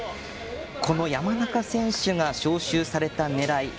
この山中選手が招集された狙い